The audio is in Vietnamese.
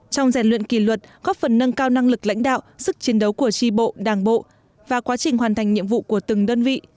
trong rèn luyện kỷ luật góp phần nâng cao năng lực lãnh đạo sức chiến đấu của tri bộ đảng bộ và quá trình hoàn thành nhiệm vụ của từng đơn vị